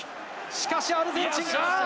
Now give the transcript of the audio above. しかしアルゼンチン。